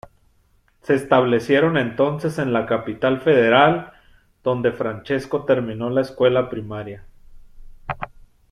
Se establecieron entonces en la Capital Federal, donde Francesco terminó la escuela primaria.